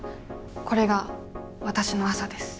これがわたしの朝です。